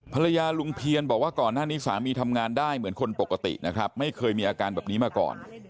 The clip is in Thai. ลุงเพียนบอกว่าก่อนหน้านี้สามีทำงานได้เหมือนคนปกตินะครับไม่เคยมีอาการแบบนี้มาก่อน